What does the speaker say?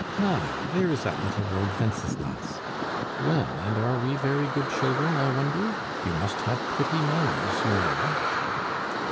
Ha! there is that little rogue Wenceslas. Well, and are we very good children, I wonder? You must have pretty manners, you know."